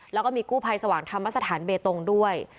แล้วก็มีกู้ภัยสว่างธรรมสถานเบตงด้วย